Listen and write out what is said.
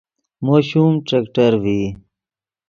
مو شوم ٹریکٹر ڤئی